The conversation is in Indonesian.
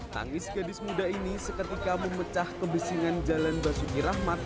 tangis gadis muda ini seketika memecah kebisingan jalan basuki rahmat